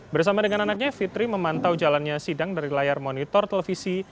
bersama dengan anaknya fitri memantau jalannya sidang dari layar monitor televisi